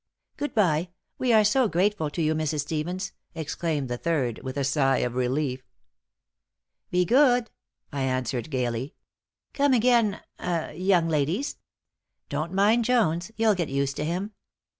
"Good bye! We are so grateful to you, Mrs. Stevens," exclaimed the third, with a sigh of relief. "Be good!" I answered, gaily. "Come again ah young ladies. Don't mind Jones. You'll get used to him.